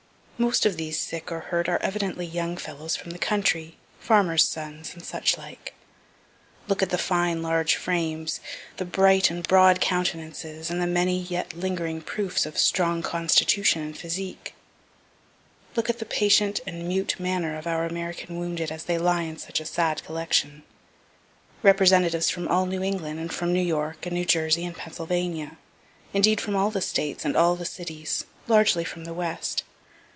Most of these sick or hurt are evidently young fellows from the country, farmers' sons, and such like. Look at the fine large frames, the bright and broad countenances, and the many yet lingering proofs of strong constitution and physique. Look at the patient and mute manner of our American wounded as they lie in such a sad collection; representatives from all New England, and from New York, and New Jersey, and Pennsylvania indeed from all the States and all the cities largely from the west.